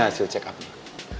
hasil cek apa